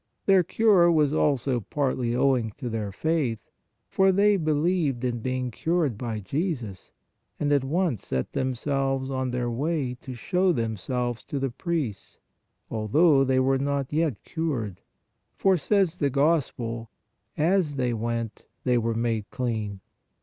Their cure was also partly THE TEN LEPERS 93 owing to their faith, for they believed in being cured by Jesus and at once set themselves on their way to show themselves to the priests, although they were not yet cured, for, says the Gospel, " as they went, they were made clean."